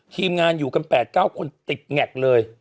ทีมงานอยู่กัน๘๙คนติดแงกเลย